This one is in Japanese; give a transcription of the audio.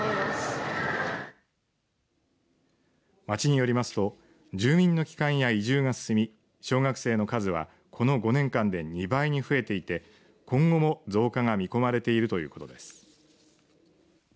町によりますと住民の帰還や移住が進み小学生の数は、この５年間で２倍に増えていて今後も増加が見込まれているということです。